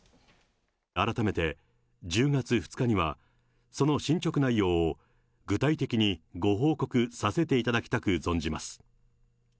改めて、１０月２日には、その進捗内容を具体的にご報告させていただきたく存じます。